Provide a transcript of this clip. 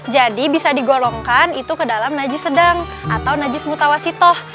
jadi bisa digolongkan itu ke dalam najis sedang atau najis mutawasitoh